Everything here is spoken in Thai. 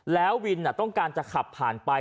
แล้ววินต้องการจะขับผ่านไป